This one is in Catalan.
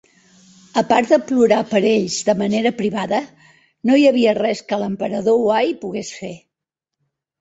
A part de plorar per ells de manera privada, no hi havia res que l'Emperador Huai pogués fer.